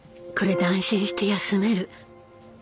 これで安心して休める」。